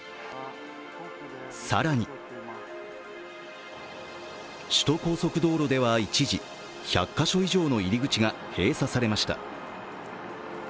更に首都高速道路では一時１００か所以上の入り口が閉鎖されました。